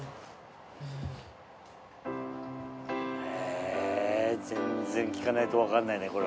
え全然聞かないとわかんないね